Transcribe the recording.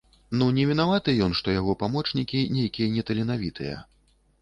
Ну не вінаваты ён, што яго памочнікі нейкія неталенавітыя.